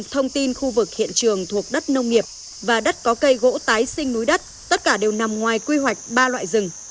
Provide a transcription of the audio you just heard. thông tin khu vực hiện trường thuộc đất nông nghiệp và đất có cây gỗ tái sinh núi đất tất cả đều nằm ngoài quy hoạch ba loại rừng